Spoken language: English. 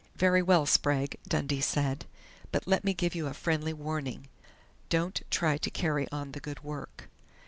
"Very well, Sprague," Dundee said. "But let me give you a friendly warning. _Don't try to carry on the good work.